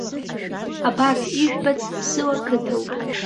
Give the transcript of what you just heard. Абарҭ ижәбац ԥсыуа қыҭауп!